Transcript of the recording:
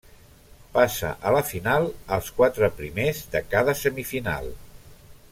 Passa a la final els quatre primers de cada semifinal.